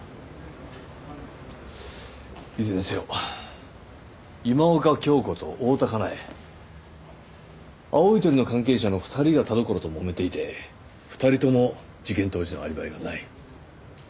いずれにせよ今岡鏡子と大多香苗青い鳥の関係者の２人が田所ともめていて２人とも事件当時のアリバイがない。